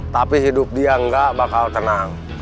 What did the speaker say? tapi hidup dia nggak bakal tenang